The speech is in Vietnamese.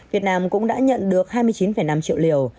việt nam cũng đã nhận được hai mươi chín năm triệu liều